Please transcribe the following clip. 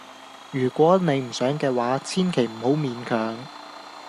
如果你唔想嘅話，千祈唔好勉強。